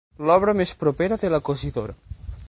L'obra més propera de la cosidora.